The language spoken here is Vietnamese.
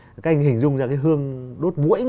các anh hình dung ra cái hương đốt bũi